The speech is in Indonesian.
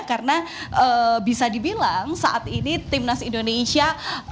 karena bisa dibilang saat ini timnas indonesia